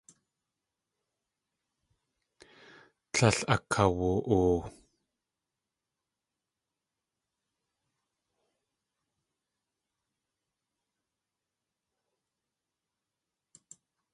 Tlél akawu.oo.